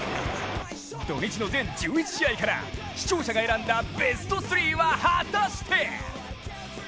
土日の全１１試合から視聴者が選んだベスト３は果たして？